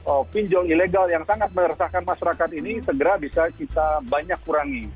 oh pinjol ilegal yang sangat meresahkan masyarakat ini segera bisa kita banyak kurangi